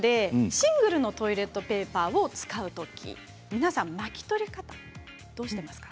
シングルのトイレットペーパーを使う時に皆さん巻き取り方ってどうしていますか？